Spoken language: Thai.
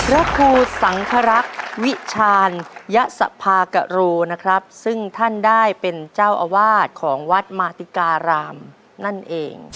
พระครูสังครักษ์วิชาญยสภากโรนะครับซึ่งท่านได้เป็นเจ้าอาวาสของวัดมาติการามนั่นเอง